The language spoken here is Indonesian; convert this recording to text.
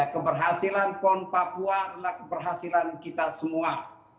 keberhasilan pon papua adalah keberhasilan kita semua